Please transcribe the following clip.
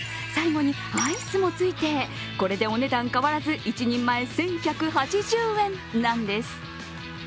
最後にアイスもついてこれでお値段変わらず１人前１１８０円なんです。